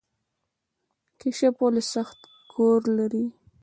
کیشپ ولې سخت کور لري؟